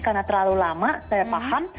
karena terlalu lama saya paham